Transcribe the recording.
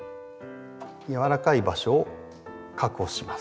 やわらかい場所を確保します。